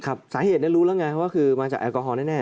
ครับสาเหตุได้รู้แล้วไงเพราะว่าคือมาจากแอลกอฮอล์แน่